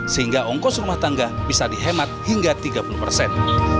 sehingga ongkos rumah tangga bisa dihemat hingga tiga puluh persen